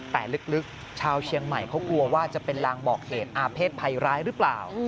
แต่ลึกชาวเชียงใหม่เขากลัวว่าจะเป็นลางบอกเหตุอาเภษภัยร้ายหรือเปล่า